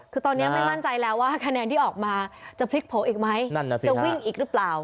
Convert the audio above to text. คือตอนนี้ไม่มั่นใจแล้วว่าคะแนนที่ออกมาจะพลิกโผล่อีกไหมนั่นน่ะสิจะวิ่งอีกหรือเปล่า